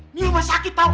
ini rumah sakit tau